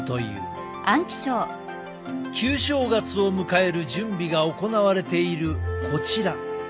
旧正月を迎える準備が行われているこちら。